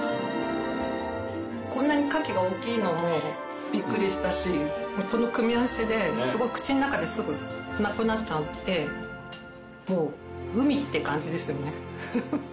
こんなにカキが大きいのもびっくりしたしこの組み合わせで口の中ですぐなくなっちゃってもう海って感じですよね。